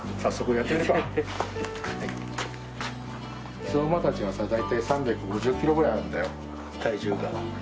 木曽馬たちはさ大体３５０キロぐらいあるんだよ体重が。